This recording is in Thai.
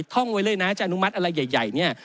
ท่องไว้เลยนะจะอนุมัติอะไรใหญ่เนี่ย